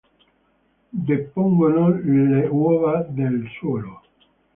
Depongono le uova nel suolo.